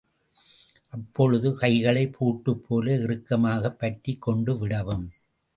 அப்பொழுது கைகளை பூட்டு போல இறுக்கமாகப் பற்றிக் கொண்டுவிடவும்.